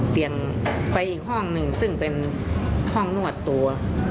ไปอีกห้องหนึ่งซึ่งเป็นห้องนวดตัว